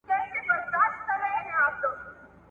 زه به سبا ليکنې وکړم،